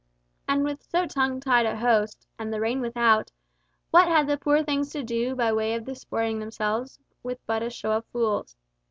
And with so tongue tied a host, and the rain without, what had the poor things to do by way of disporting themselves with but a show of fools.